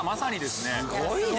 すごいね。